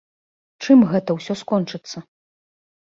Чым гэта ўсё скончыцца?